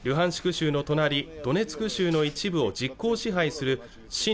州の隣ドネツク州の一部を実効支配する親